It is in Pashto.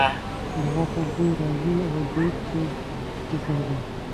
د غوښو بوی راځي او دېګ پرې ایښی دی.